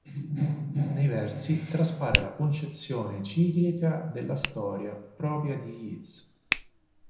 Nei versi traspare la concezione ciclica della storia propria di Yeats.